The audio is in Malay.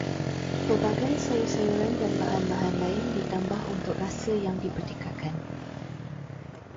Pelbagai sayur-sayuran dan bahan-bahan lain ditambah untuk rasa yang dipertingkatkan